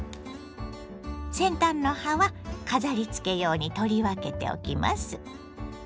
先端の葉は飾りつけ用に取り分けておきます。